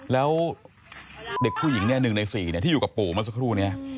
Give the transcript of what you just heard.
แล้วเด็กผู้หญิงเนี่ย๑ใน๔เนี่ยที่อยู่กับปู่มาสักครู่เนี่ย